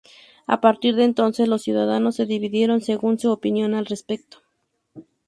A partir de entonces, los ciudadanos se dividieron según su opinión al respecto.